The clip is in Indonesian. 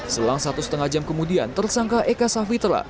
selang satu setengah jam kemudian tersangka eka safitra